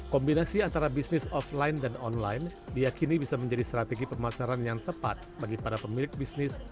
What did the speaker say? kombinasi antara bisnis offline dan online diakini bisa menjadi strategi pemasaran yang tepat bagi para pemilik bisnis